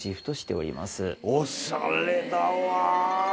おしゃれだわ。